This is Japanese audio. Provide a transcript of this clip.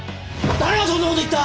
誰がそんなこと言った！